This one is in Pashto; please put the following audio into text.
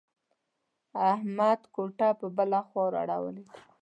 احمد کوټه پر بله خوا را اړولې ده.